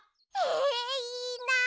えいいなあ！